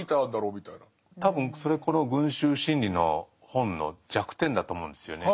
多分それこの「群衆心理」の本の弱点だと思うんですよね。